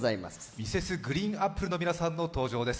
Ｍｒｓ．ＧＲＥＥＮＡＰＰＬＥの皆さんの登場です。